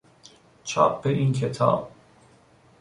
چاپ این کتاب